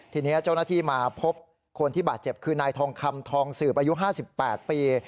ทีนี้เจ้าหน้าที่มาพบคนที่บาดเจ็บคือนายทองคำทองสืบอายุ๕๘ปี